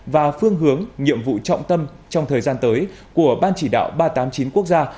và phương hướng nhiệm vụ trọng tâm trong thời gian tới của ban chỉ đạo ba trăm tám mươi chín quốc gia